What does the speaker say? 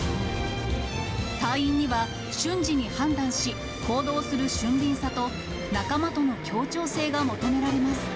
隊員には瞬時に判断し、行動する俊敏さと、仲間との協調性が求められます。